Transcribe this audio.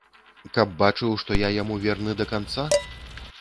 Каб бачыў, што я яму верны да канца?